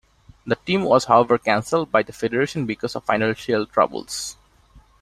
The team was however cancelled by the federation because of financial troubles.